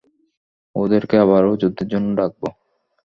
ওদেরকে আবারও যুদ্ধের জন্য ডাকব!